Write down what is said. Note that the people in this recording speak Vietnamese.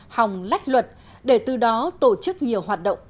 hòng lách luật để từ đó tổ chức nhiều hoạt động